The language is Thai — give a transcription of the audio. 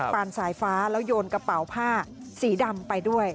ปานสายฟ้าแล้วโยนกระเป๋าผ้าสีดำไปด้วย